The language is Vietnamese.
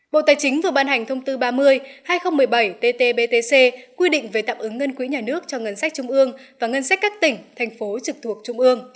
bộ tài chính vừa ban hành thông tư ba mươi hai nghìn một mươi bảy ttbtc quy định về tạm ứng ngân quỹ nhà nước cho ngân sách trung ương và ngân sách các tỉnh thành phố trực thuộc trung ương